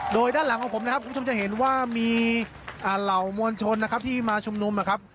โดยด้านหลังของผมนะครับคุณผู้ชมจะเห็นว่ามีเหล่ามวลชนนะครับที่มาชุมนุมนะครับ